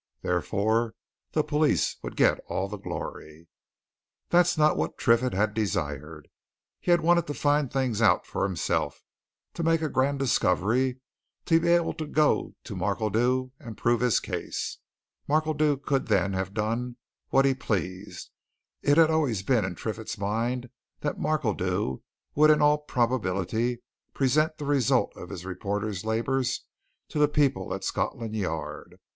Therefore the police would get all the glory. This was not what Triffitt had desired. He had wanted to find things out for himself, to make a grand discovery, to be able to go to Markledew and prove his case. Markledew could then have done what he pleased; it had always been in Triffitt's mind that Markledew would in all probability present the result of his reporter's labours to the people at Scotland Yard.